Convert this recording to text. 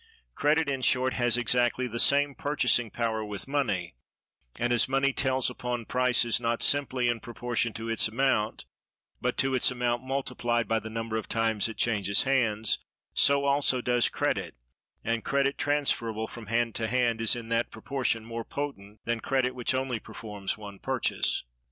Credit, in short, has exactly the same purchasing power with money; and as money tells upon prices not simply in proportion to its amount, but to its amount multiplied by the number of times it changes hands, so also does credit; and credit transferable from hand to hand is in that proportion more potent than credit which only performs one purchase.